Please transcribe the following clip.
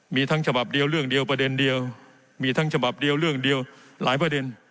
มีทั้งฉบับเดียวเรื่องเดียวประเด็นเดียวมีทั้งฉบับเดียวเรื่องเดียวหลายประเด็น